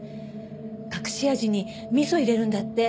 隠し味に味噌入れるんだって。